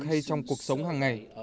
hay trong cuộc sống hàng ngày